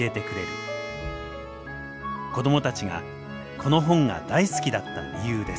子どもたちがこの本が大好きだった理由です。